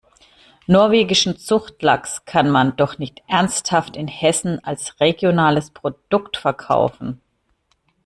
Norwegischen Zuchtlachs kann man doch nicht ernsthaft in Hessen als regionales Produkt verkaufen!